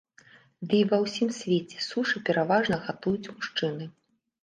Ды і ва ўсім свеце сушы пераважна гатуюць мужчыны.